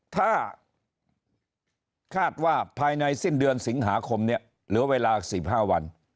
ถ้าคาดว่าภายในสิ้นเดือนสิงหาคมเนี่ยเหลือเวลา๑๕วัน